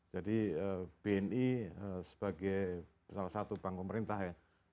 jadi bni sebagai salah satu bank pemerintah ya